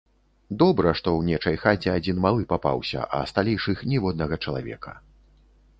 Добра, што ў нечай хаце адзін малы папаўся, а сталейшых ніводнага чалавека.